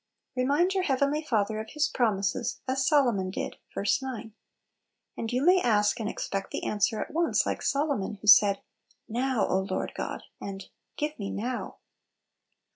Remind your heavenly Father of His promises, as Solomon did (ver. 9). And you may ask and expect the answer at once, like Solomon, who said, "Now, O Lord God !" and " Give me now